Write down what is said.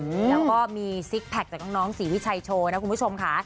แล้วก็มีซิกแพคจากน้องศรีวิชัยโชว์นะคุณผู้ชมค่ะ